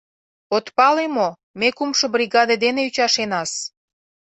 От пале мо, ме кумшо бригаде дене ӱчашенас!